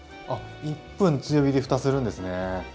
１分強火でふたするんですね。